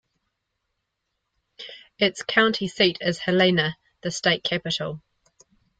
Its county seat is Helena, the state capital.